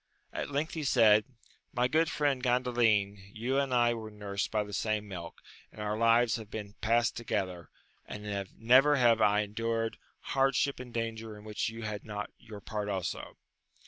At length he said, my good friend Gandalin, you and I were nursed by the same milk, and our lives have been past together, and never have I endured hard ship and danger in which you had not your part also.